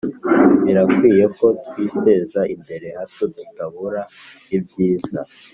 , birakwiye ko twiteza imbere hato tutabura ibyiza